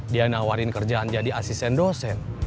dia nawarin kerjaan jadi asisten dosen